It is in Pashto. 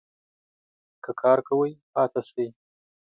که کار کوی ؟ پاته سئ